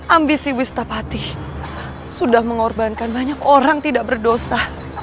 ambisi wistapati sudah mengorbankan banyak orang tidak berdosa